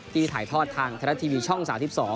ที่ถ่ายทอดทางแทนาทีวีช่องสาวที่๒